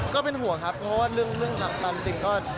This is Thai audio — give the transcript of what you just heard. ก็เป็นห่วงครับเพราะว่าเรื่องทำความจริงก็